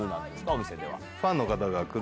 お店では。